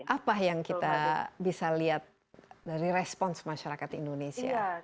apa yang kita bisa lihat dari respons masyarakat indonesia